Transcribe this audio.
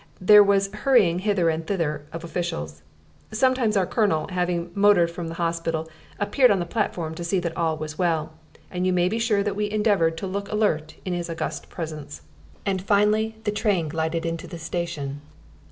There was hurrying hither and thither of officials. Sometimes our Colonel, having motored from the hospital, appeared on the platform to see that all was well, and you may be sure that we endeavoured to look alert in his august presence. And finally the train glided into the station.